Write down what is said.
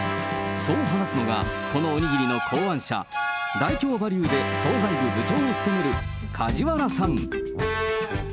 そう話すのが、このおにぎりの考案者、ダイキョーバリューで惣菜部部長を務める梶原さん。